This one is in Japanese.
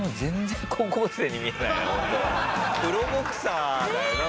プロボクサーだよな。